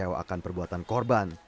sebelum melakukan perbuatan korban